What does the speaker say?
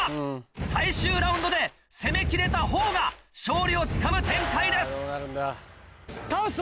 最終ラウンドで攻めきれたほうが勝利をつかむ展開です。